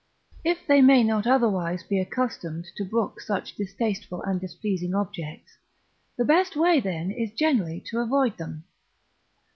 If they may not otherwise be accustomed to brook such distasteful and displeasing objects, the best way then is generally to avoid them.